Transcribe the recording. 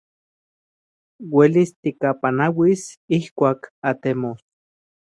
Uelis tikapanauis ijkuak atemos.